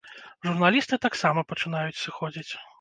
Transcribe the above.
Журналісты таксама пачынаюць сыходзіць.